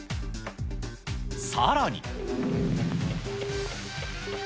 さらに。